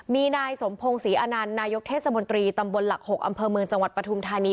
มีนายสมพงศรีอนันต์นายกเทศมนตรีตำบลหลัก๖อำเภอเมืองจังหวัดปฐุมธานี